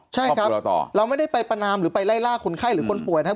ใช่ครับเราไม่ได้ไปประนามหรือไปไล่ล่าคนไข้หรือคนป่วยนะครับ